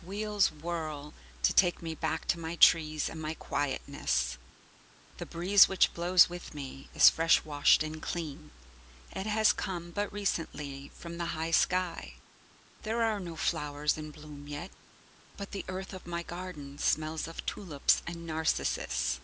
Wheels whirl to take me back to my trees and my quietness. The breeze which blows with me is fresh washed and clean, it has come but recently from the high sky. There are no flowers in bloom yet, but the earth of my garden smells of tulips and narcissus.